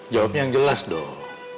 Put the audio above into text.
jawabnya yang jelas dong